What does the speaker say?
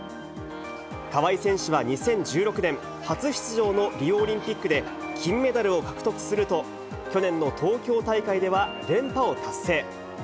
川井選手は２０１６年、初出場のリオオリンピックで金メダルを獲得すると、去年の東京大会では連覇を達成。